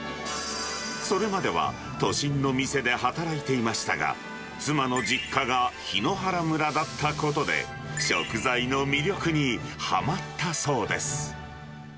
それまでは都心の店で働いていましたが、妻の実家が檜原村だったことで、食材の魅力にはまったそうです。